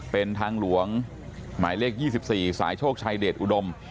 เป็นทางหลวงหมายเลขยี่สิบสี่สายโชคชายเดชอุดม